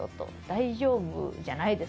「大丈夫じゃないですか」